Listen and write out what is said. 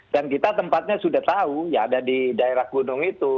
dan kita tempatnya sudah tahu ya ada di daerah gunung itu